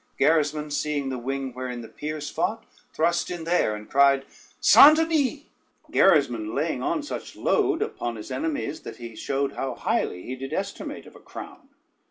Gerismond seeing the wing wherein the peers fought, thrust in there, and cried "Saint Denis!" Gerismond laying on such load upon his enemies, that he showed how highly he did estimate of a crown.